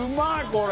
これ。